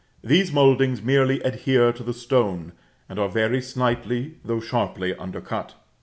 These mouldings nearly adhere to the stone; and are very slightly, though sharply, undercut.